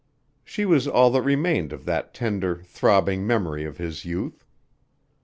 She was all that remained of that tender, throbbing memory of his youth.